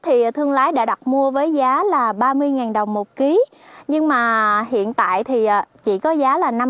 thì thương lái đã đặt mua với giá là ba mươi đồng một ký nhưng mà hiện tại thì chỉ có giá là năm mươi